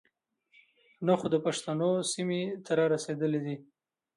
نۀ خو د پښتنو سيمې ته را رسېدلے دے.